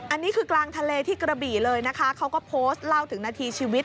อันนี้คือกลางทะเลที่กระบี่เลยนะคะเขาก็โพสต์เล่าถึงนาทีชีวิต